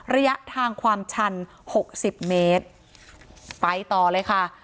ระยะทางความชันหกสิบเมตรไปต่อเลยค่ะ